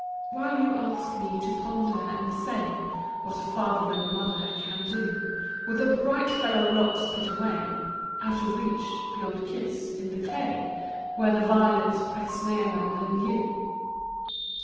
8 While you ask me to ponder and say What a father and mother can do, With the bright fellow locks put away Out of reach, beyond kiss, in the clay Where the violets press nearer than you.